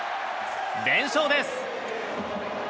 連勝です。